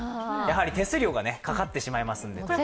手数料がかかってしまいますので。